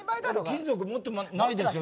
金属、持ってないですよね。